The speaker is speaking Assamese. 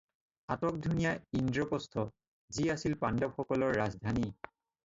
আটকধুনীয়া ইন্দ্ৰপ্ৰস্থ, যি আছিল পাণ্ডৱসকলৰ ৰাজধানী।